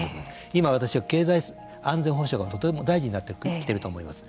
今、私は経済安全保障がとても大事になってきていると思います。